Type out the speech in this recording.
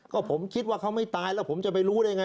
ก็ผมคิดว่าเขาไม่ตายแล้วผมจะไปรู้ได้ไง